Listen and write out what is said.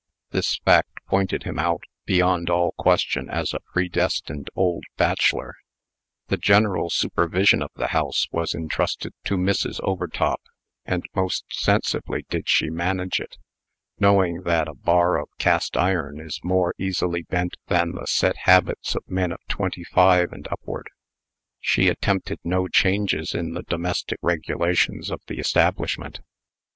This fact pointed him out, beyond all question, as a predestined old bachelor. The general supervision of the house was intrusted to Mrs. Overtop; and most sensibly did she manage it. Knowing that a bar of cast iron is more easily bent than the set habits of men of twenty five and upward, she attempted no changes in the domestic regulations of the establishment.